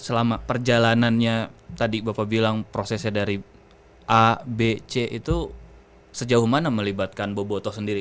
selama perjalanannya tadi bapak bilang prosesnya dari a b c itu sejauh mana melibatkan boboto sendiri